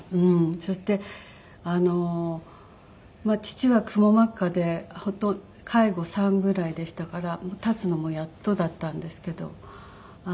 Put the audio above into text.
そして父はくも膜下で介護３ぐらいでしたから立つのもやっとだったんですけど。